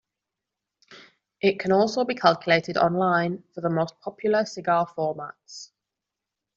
It can also be calculated online for the most popular cigar formats.